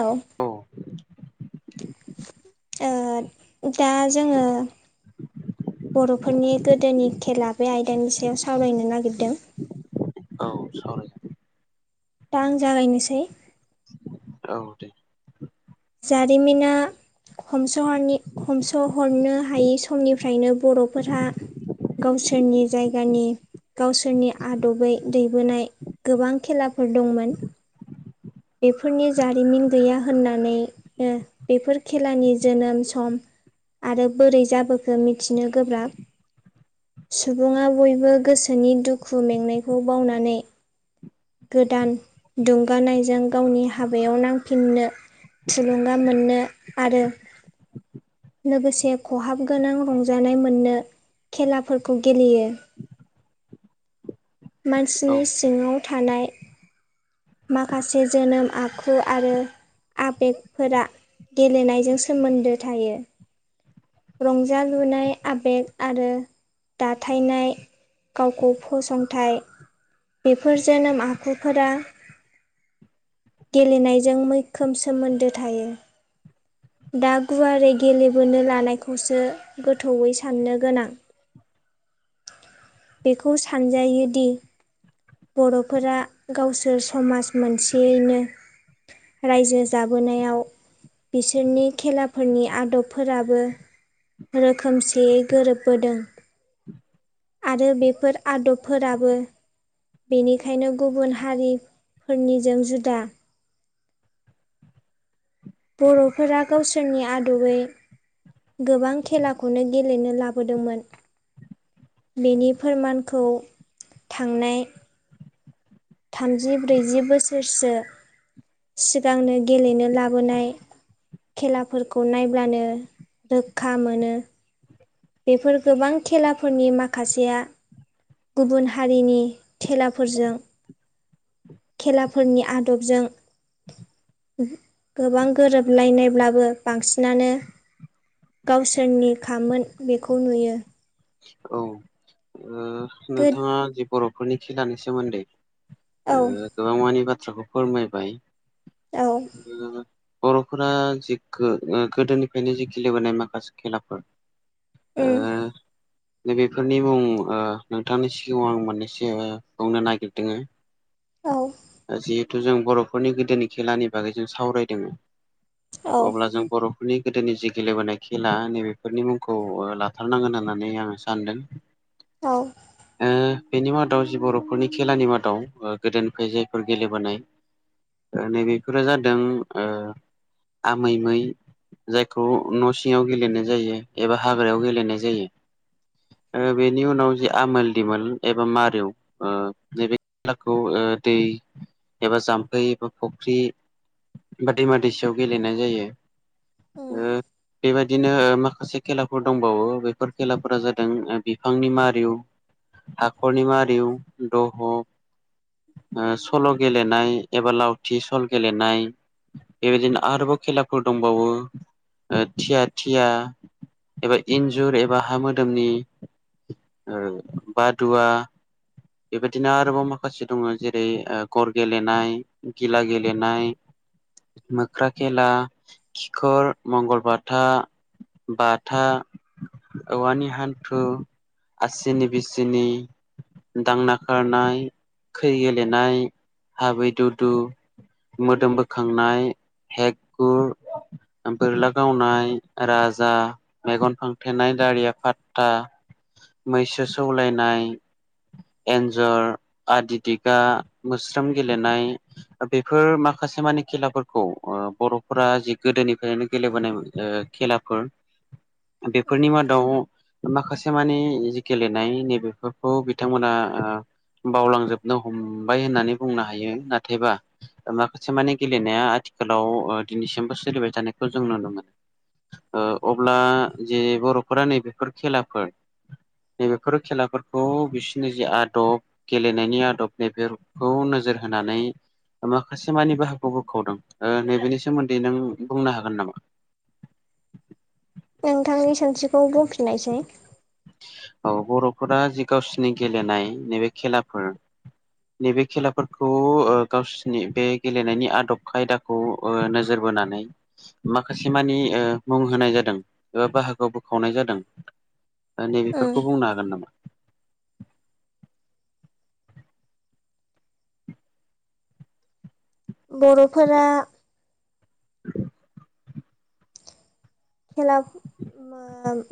औ ओ दा जोङो बर'फोरनि गोदोनि खेला बे आयदानि सायाव सावरायनो नागिरदों औ सावराय दा आं जागायनोसै औ दे जारिमिना हमस'हरनि हमस'हरनो हायै समनिफ्रायनो बर'फोराहा गावसोरनि जायगानि गावसोरनि आदबै दैबोनाय गोबां खेलाफोर दंमोन बेफोरनि जारिमिन गैया होननानै बेफोर खेलानि जोनोम सम आरो बोरै जाबोखो मिथिनो गोब्राब सुबुङा बयबो गोसोनि दुखु मेंनायखौ बावनानै गोदान दुंगानाय जों गावनि हाबायाव नांफिननो थुलुंगा मोननो आरो लोगोसे खहाब गोनां रंजानाय मोननो खेलाफोरखौ गेलेयो‌। औ मानसिनि सिङांव थानाय माख खासे जोनोम आखु आरो आबेगफोरा गेलेनायजों सोमोन्दो थायो । रंजाालुनाय आबेग आरो दाथायनाय गावखौ फसंथाइ बेफोर जोनोम आखुफोरा गेलेनायजों मैखोम सोमोन्दो थायो । दा गुवारै गेलेबोनो लानायखौसो गोथौयै साननो गोनां बेखौ सानजायो दि बर'फोरा गावसोर समाज मोनसेयैनो रायजो जाबोनायाव बिसोरनि खेलाफोरनि आदबफोराबो रोखोमसेयै गोरोबबोदों आरो बेफोर आदबफोराबो बेनिखायनो गुबुन हारिफोरनिजों जुदा बर'फोरा गावसोरनि आदबै गोबां खेलाखौनो गेलेनो लाबोदोंमोन । बेनि फोरमानखौ थांनाय थामजि ब्रैजि बोसोरसो सिगांनो गेलेनो लाबोनाय खेलाफोरखौ नायब्लानो रोखा मोनो बेफोर गोबां खेलाफोरनि माखासेया गुबुन हारिनि थेलाफोरजों खेलाफोरनि आदबजों गोबां गोरोबलायनायब्लाबो बांसिनानो गावसोरनि खामोन बेखौ नुयो औ गोद नोंथांङा जि बर'फोरनि खेलानि सोमोन्दै औ गोबां मानि बाथ्राखौ फोरमायबाय औ ओ बर'फोरा जि गोदोनिफ्रायनो जि गेलेबोनाय माखासे खेलाफोर ओ उम दै बेेफोरनि मुं नोंथांनि सिगाङाव आं मोननैसो बुंनो नागिरदों औ जिहेथु जों बर'फोरनि गोदोनि खेलानि बागै जों सावरायदों औ अब्ला जों बर' बेफोरनि गोदोनि जि गेलेबोनाय खेला नैबेफोरनि मुंखौ लाथारनांगोन होननानै आंङो सानदों औ उम ओ बेनि मादाव जि बर'फोरनि खेलानि मादाव गोदोनिफ्राय जायफोर गेलेबोनाय नैबेफोरा जादों आमै मै जायखौ न' सिङांव गेलेनाय जायो एबा हाग्रायाव गेलेनाय जायो । बेनि उनाव जे आमोल दिमोल एबा मारेव नैबे खेलाखौ दै एबा जामफै एबा फुख्रि दैमा दैसायाव गेलेनाय जायो उम । बेबायदिनो माखासे खेलाफोर दंबावो बेफोर खेलाफोरा जादों बिफांनि मारिउ हाखरनि मारिउ दह सल' गेलेनाय एबा लावथि सल' गेलेनाय बेबायदिनो आरोबाव खेलाफोर दंबावो थिया थिया एबा इन्जुर एबा हा मोदोमनि बादुवा बेबायदिनो आरोबाव माखासे दंङो जेरै गर गेलेनाय गिला गेलेनाय मोख्रा खेला खिखर मंगलबाथा बाथा औवानि हान्थु आसिनि बिसिनि दांना खारनाय खै गेलेनाय हाबै दुदु मोदोम बोखांनाय हेग गुर बोरला गावनाय राजा मेगन फांथेनाय दारिया फात्ता मैसो सौलायनाय एन्जर आदि दिगा मोस्रोम गेलेनाय बेफोर मा खासे मानि खेलाफोरखौ बर'फोरा जि गोदोनिफ्रायनो गेलेबोनायमोन खेलाफोर [inaudible] बेफोरनि मादाव माखासे मानि जि गेलेनाय नै बेफोरखौ बिथांमोना बावलांजोबनो हमबाय होननानै बुंनो हायो नाथायबा माखासे मानि गेलेनाया आथिखालाव दिनैसिमबो सोलिबाय थानायखौ जों नुनो मोनो। अब्ला जे बर'फोरा नैबेफोर खेलाफोर नैबेफोर खेलाफोरखौ बिसोरनि जि आदब गेलेनायनि आदब नैबेफोरखौ नोजोर होनानै माखासे मानि बाहाग बोखावदों नैबेनि सोमोन्दै नों बुंनो हागोन नामा? नोंथांनि सोंथिखौ बुंफिननायसाय औ बर'फोरा जि गावसिनि गेलेनाय नैबे खेलाफोर नैबे खेलाफोरखौ गावसिनि बे गेलेनायनि आदब खायदाखौ नोजोर बोनानै माखासे मानि ओ मुं होनाय जादों एबा बाहागोआव बोखावनाय जादों उम नैबेफोरखौ बुंनो हागोन नामा? बर'फोरा खेला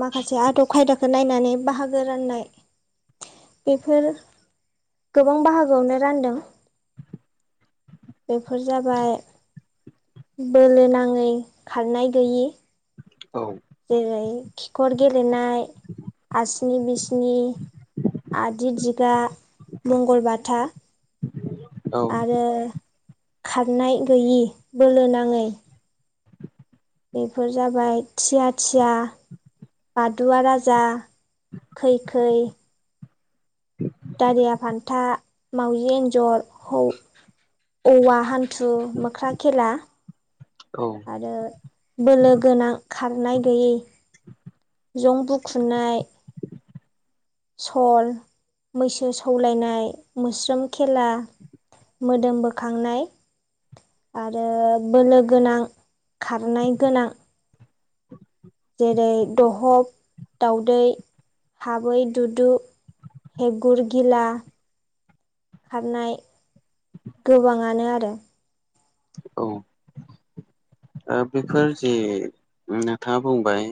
माखासे आदब खायदा खो नायनानै बाहागो राननाय बेफोर गोबां बाहागोआवनो रानदों बेफोर जाबाय बोलो नाङै खारनाय गैयि औ जेरै खिखर गेलेनाय आसि स्नि बिस्नि आदि दिगा मंगलबाथा औ आरो खारनाय गैयि बोलो नाङै बेफोर जाबाय थिया थिया बादुवा राजा खै खै दारिया फान्था मावजि एन्जर हौ-औवा हान न्थु मोख्रा खेला औ आरो बोलो गोनां खारनाय गैयै जं बुखुनाय सल मैसो सौलायनाय मोस्रोम खेला मोदोम बोखांनाय आरो बोलो गोनां खारनाय गोनां जेरै दहब दाउदै हाबै दुदु हैगुर गिला खारनाय गोबाङानो आरो औ। बेफोर जे नोंथाङा बुंबाय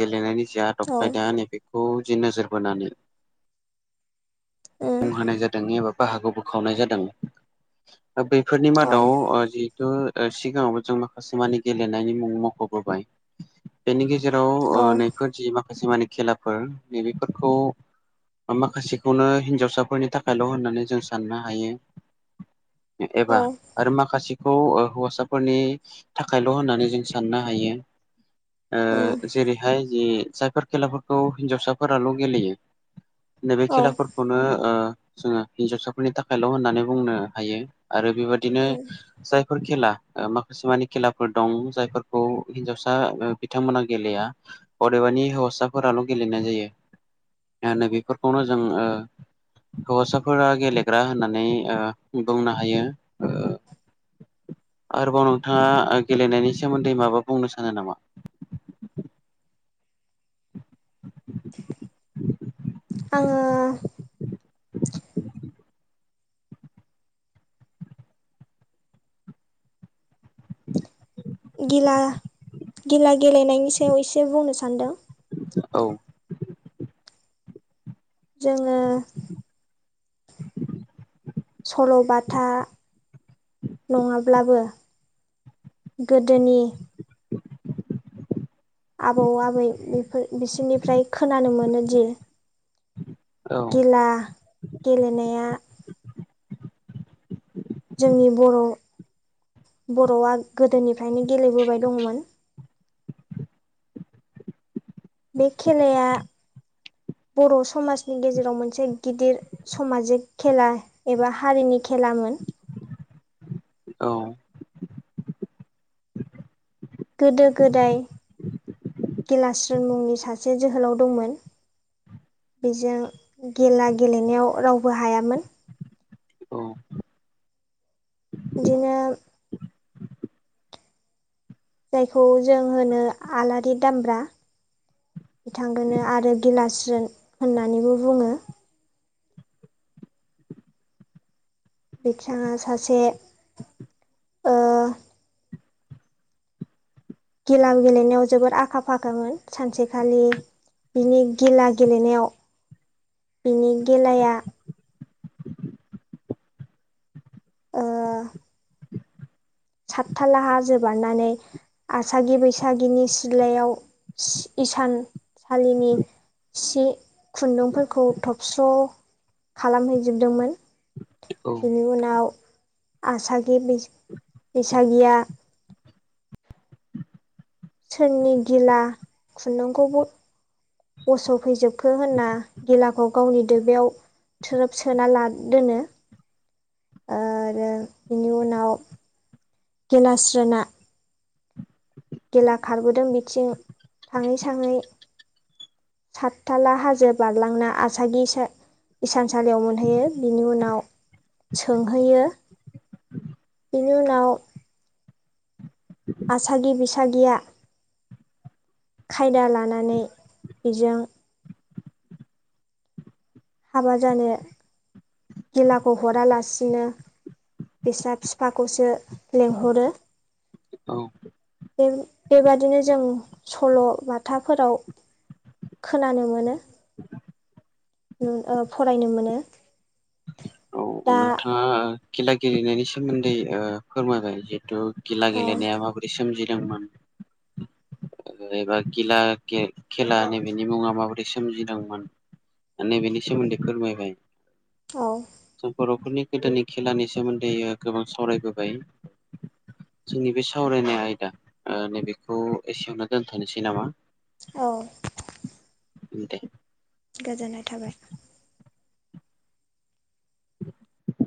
गेलेनायनि जि आदब औ खायदा नैबेखौ जि नोजोर बोनानै उम मुं होनाय जादों एबा बाहागो बोखावनाय जादोंथ बेफोरनि औ मादाव जि सिगाङावबो जों माखासे मानि गेलेनायनि मुं मख'बोबाय बेनि गेजेराव औ जेराव नैफोर जि मा माखासे मानिे खेलाफोर नैबेफोरखौ माखासेखौनो हिनजावसाफोरनि थाखायल' होननानै जों साननो हायो एबा औ आरो माखासे खौ हौवासाफोरनि थाखायल' होननानै जों साननो हायो। उम ओ जेरैहाय जि जायफोर खेलाफोरखौ हिनजावसाफोराल' गेलेयो‌। नैबे औ खलाफोर ओ जोङो हिनजावसाफोरनि थाखायल' होननानै बुंनो हायो आरो बेबायदिनो उम जाय बेफोर खेला माखासे मानि खेलाफोर दं जायफोरखौ हिन्जावसा बिथांमोना गेलेया । अदेबानि हिवावसाफोराल' गेलेनाय जायो। माहोनो बेफोरखौनो जों ओ [inaudible] हौवासाफोरा गेलेग्रा होननानै ओ बुंनो हायो । ओ आरोबाव नोंथाङा गेलेनायनि सोमोन्दै माबा बुंनो सानो नामा? [inaudible] आङो गिला गिला गेलेनायनि सायाव एसे बुंनो सान्दों । औ जोङो खल'बाथा नङाब्लाबो गोदोनि [inaudible] आबौ आबै बेफोर बिसोरनिफ्राय खोनानो मोनोदि औ गिला गेलेनाया जोंनि बर' बर'आ गोदोनिफ्रायनो गेलेबोबाय दङमोन। बे खेलाया बर' समाजनि गेजेराव मोनसे गिदिर समाजिक खेला एबा हारिनि खेलाोन । औ गोदो गोदाय गिलास्रोन मुंनि सासे जोहोलाव दंमोन। बेजों गिला गेलेनायाव रावबो हायामोन। औ बिनो जायखौ जों होनो आलारि दामब्रा। बिथांखौनो आरो गिलास्रोन होननानैबो बुङो। बिथाङा सासे गिला गेलेनायाव जोबोद आखा फाखामोन सानसेखालि बिनि गिला गेलेनायाव बिनि गेलाया ओ सातथाला हाजो बारनानै आसागि बैसागिनि सिलायाव इसानसालिनि से खुन्दुंफोरखौ थबस्र' खालामहैजोबदोंमोन। औ बिनि उनाव आसागि बैसागिया सोरनि गिला खुन्दुंखौबो बस' फैजोबखो होनना गिलाखौ गावनि दबायाव थ्रोब सोना ला दोनो आरो बेनि उनाव गिलास्रोना गिला खारबोदों बिथिं थाङै साङै सातथाला हाजो बारलांना आसागि इसानसालियाव मोनहैयो बिनि उनाव सोंहैयो बिनि उनाव आसागि बैसागिया खायदा लानानै बेजों हाबा जानो गिलाखौ हरालासिनो बिसा फिफाखौसो लेंंहरो। औ बेबादिनो जों सल'बाथाफोराव खोनानो मोनो। फरायनो मोनो। औ दा नोंथाङा खेला गेलेनायनि सोमोन्दै फोरमायबाय। खेला औ गेलेनाया माबोरै सोमजिदोंमोन। एबा गिला खेला नैबेनि मुङा माबोरै सोमजिदोंमोन। नै बेनि सोमोन्दै फोरमायबाय। औ जों बर'फोरनि गोदोनि खेलानि सोमोन्दै गोबां सावरायबोबाय। जोंनि बे सावरायनाय आयदा नैबेखौ एसेयावनो दोनथ'नोसै नामा? औ उम दे। गोजोननाय थाबाय। [inaudible]